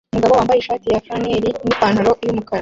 Umugabo wambaye ishati ya flannel nipantaro yumukara